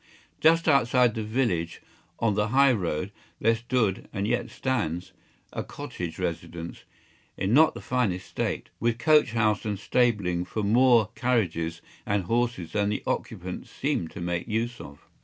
Just outside the village of ——, on the high road, there stood, and yet stands, a cottage residence, in not the finest state, with coachhouse and stabling for more carriages and horses than the occupant seemed to make use of.